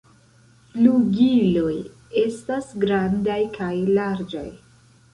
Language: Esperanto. Flugiloj estas grandaj kaj larĝaj.